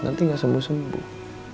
nanti nggak sembuh sembuh